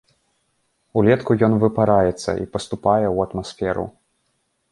Улетку ён выпараецца і паступае ў атмасферу.